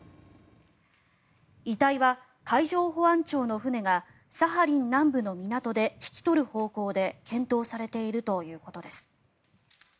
遺体は海上保安庁の船がサハリン南部の港で引き取る方向で検討されているということです。